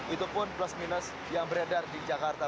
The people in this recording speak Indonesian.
itu pun plus minus yang beredar di jakarta